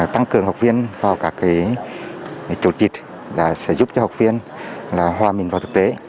tăng cường học viên vào các chỗ dịch sẽ giúp cho học viên hòa minh vào thực tế